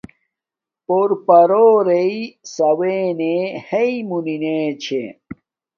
پور پارو ریݵے ساونݣے ہیݵ مونی نے چھے